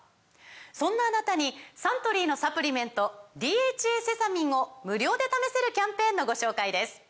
そんなあなたにサントリーのサプリメント「ＤＨＡセサミン」を無料で試せるキャンペーンのご紹介です